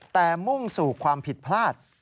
แต่มุ่งสู่ความผิดพลาด